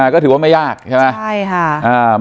ก็ถือว่าไม่ยากใช่ไหม